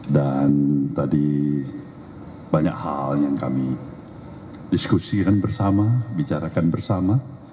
dan tadi banyak hal yang kami diskusikan bersama bicarakan bersama